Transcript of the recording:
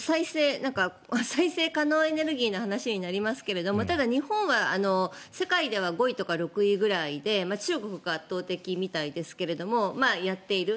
再生可能エネルギーの話になりますけどただ、日本は世界では５位とか６位ぐらいで中国が圧倒的みたいですけどやっている。